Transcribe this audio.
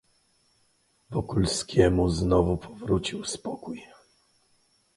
"Wokulskiemu znowu powrócił spokój."